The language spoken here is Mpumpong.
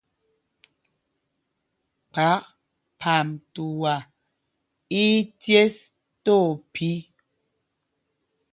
Kphák Phamtuá í í cēs tí ophī.